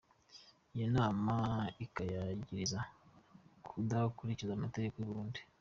Iyo nama ikayagiriza kudakurikiza amategeko y'uburundi.